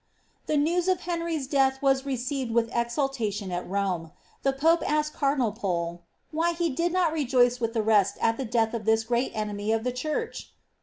The news of Henry's death was received with exultation at Rome. The pope asked cardinal Pole ^ why he did not rejoice with the rest at the death of this great enemy of the church